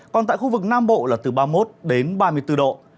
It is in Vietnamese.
còn tại khu vực nam bộ là từ ba mươi một đến ba mươi bốn độ